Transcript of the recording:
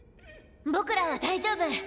ボクらは大丈夫！